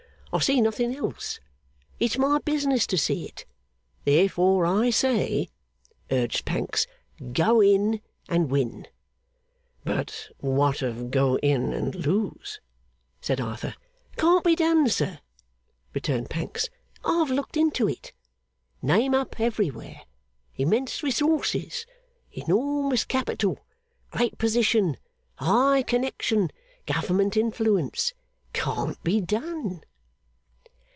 I see nothing else. It's my business to see it. Therefore I say,' urged Pancks, 'Go in and win!' 'But what of Go in and lose?' said Arthur. 'Can't be done, sir,' returned Pancks. 'I have looked into it. Name up everywhere immense resources enormous capital great position high connection government influence. Can't be done!